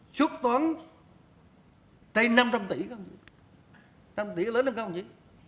suốt toán chây năm trăm linh tỷ năm trăm linh tỷ có lớn hơn không chứ